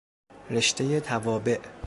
رشتهی توابع